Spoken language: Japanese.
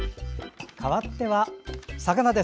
かわっては魚です。